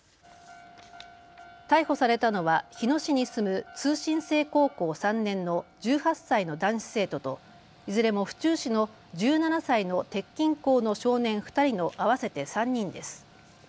逮捕されたのは日野市に住む通信制高校３年の１８歳の男子生徒と、いずれも府中市の１７歳の鉄筋工の少年２人の合わせて３人です。